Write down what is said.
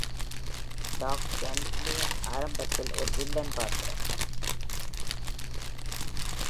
Dark journey ஆரம்பத்தில் ஒரு villain பாத்திரம்.